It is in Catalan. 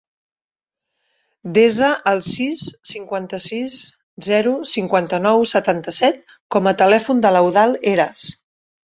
Desa el sis, cinquanta-sis, zero, cinquanta-nou, setanta-set com a telèfon de l'Eudald Heras.